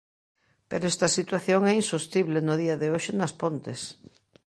Pero esta situación é insostible no día de hoxe nas Pontes.